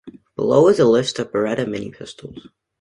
Below is the list of Beretta Mini Pistols.